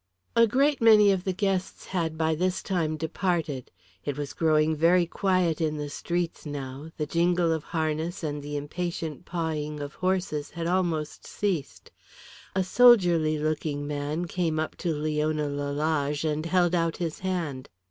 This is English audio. A great many of the guests had by this time departed. It was growing very quiet in the streets now, the jingle of harness and the impatient pawing of horses had almost ceased. A soldierly looking man came up to Leona Lalage, and held out his hand.